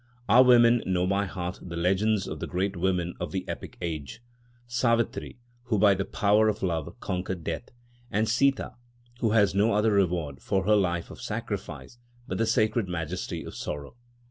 Our women know by heart the legends of the great women of the epic age—Savitri who by the power of love conquered death, and Sitâ who had no other reward for her life of sacrifice but the sacred majesty of sorrow.